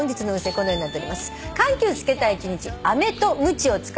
このようになっております。